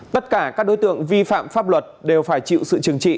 tất cả các đối tượng vi phạm pháp luật đều phải chịu sự trừng trị